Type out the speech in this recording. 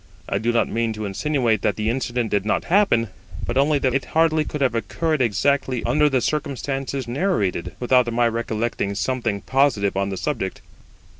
I do not mean to insinuate that the incident did not happen, but only that it could hardly have occurred exactly under the circumstances narrated, without my recollecting something positive on the subject.